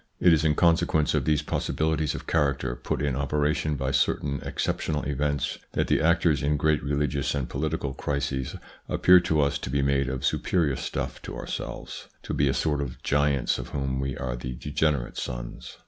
It is in consequence of these possibilities of character put in operation by certain exceptional events, that the actors in great religious and political crises appear to us to be made of superior stuff to ourselves, to be a sort of giants of whom we are the degenerate sons.